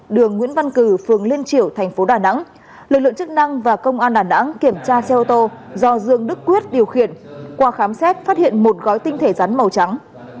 đường nguyễn văn cử phường liên triểu thành phố đà nẵng lực lượng chức năng và công an đà nẵng kiểm tra xe ô tô do dương đức quyết điều khiển qua khám xét phát hiện một gói tinh thể rắn màu trắng